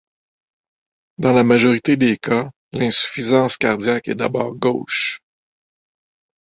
Dans la majorité des cas, l’insuffisance cardiaque est d’abord gauche.